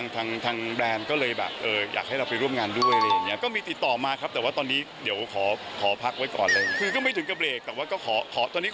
ทางแบรนด์ก็เลยแบบอยากให้เราไปร่วมงานด้วยอะไรอย่างนี้